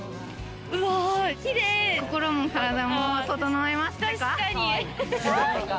心も体も整いますってか！